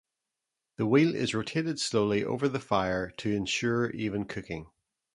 The wheel is rotated slowly over the fire to ensure even cooking.